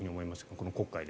この国会で。